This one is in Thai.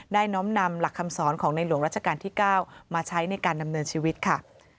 น้อมนำหลักคำสอนของในหลวงรัชกาลที่๙มาใช้ในการดำเนินชีวิตค่ะ